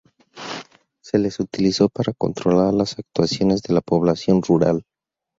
Se les utilizó para controlar las actuaciones de la población rural.